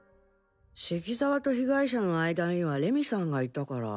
関澤と被害者の間には礼美さんがいたから。